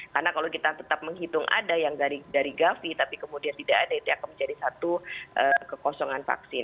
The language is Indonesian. karena kalau kita tetap menghitung ada yang dari gavi tapi kemudian tidak ada itu akan menjadi satu kekosongan vaksin